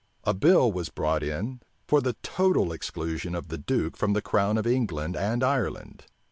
A bill was brought in for the total exclusion of the duke from the crown of England and Ireland.